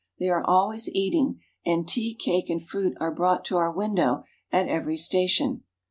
They are always eating ; and tea, cake, and fruit are brought to our window at every station.